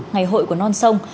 ngày hội của non sông